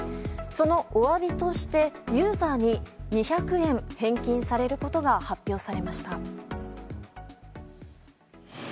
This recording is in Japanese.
そのお詫びとして、ユーザーに２００円返金されることが発表されました。